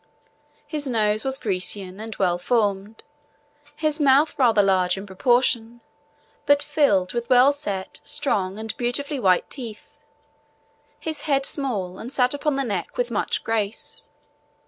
His nose was Grecian and well formed; his mouth rather large in proportion, but filled with well set, strong, and beautifully white teeth; his head small, and set upon the neck with much grace.